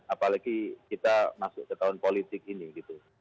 apalagi kita masuk ke tahun politik ini gitu